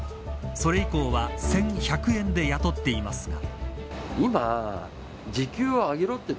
それ以降は１１００円で雇っていますが。